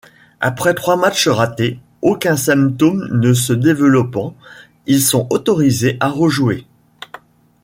Après trois matchs ratés, aucun symptôme ne se développant, ils sont autorisés à rejouer.